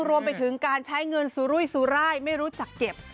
รวมไปถึงการใช้เงินสุรุยสุรายไม่รู้จักเก็บ